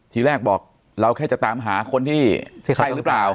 ทีแรกบอกเราแค่จะตามหาคนที่ใช่หรือเปล่า